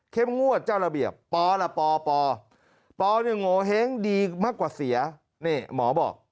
เข้มงวดเจ้าระเบียบปล่ะปปปโงเห้งดีมากกว่าเสียหมอบอก